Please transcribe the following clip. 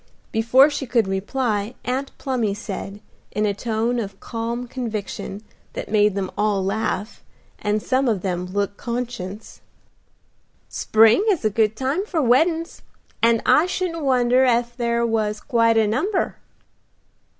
Before she could reply Aunt Plumy said, in a tone of calm conviction, that made them all laugh, and some of them look conscious, "Spring is a good time for weddin's, and I shouldn't wonder ef there was quite a number."